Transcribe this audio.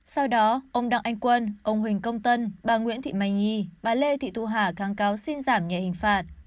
sau đó ông đặng anh quân ông huỳnh công tân bà nguyễn thị mai nhi bà lê thị thu hà kháng cáo xin giảm nhẹ hình phạt